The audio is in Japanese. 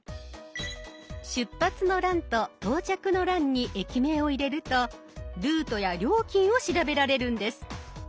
出発の欄と到着の欄に駅名を入れるとルートや料金を調べられるんです。